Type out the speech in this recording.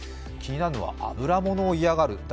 気になるのは脂ものを嫌がる。